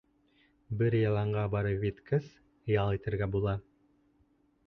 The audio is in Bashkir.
Бер яланға барып еткәс, ял итергә була.